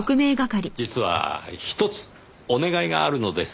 実はひとつお願いがあるのですが。